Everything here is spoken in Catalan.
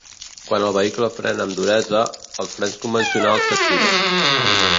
Quan el vehicle frena amb duresa, els frens convencionals s"activen.